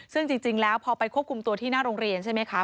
ซึ่งจริงแล้วพอไปควบคุมตัวที่หน้าโรงเรียนใช่ไหมคะ